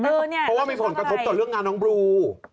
เพราะว่ามีผลกระทบต่อเรื่องงานน้องบลู